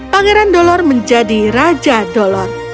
pangeran dolor menjadi raja dolor